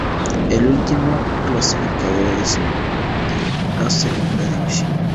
El último clasificado desciende a Segunda división.